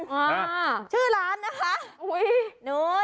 หาชื่อร้านน่ะฮะอุ้ย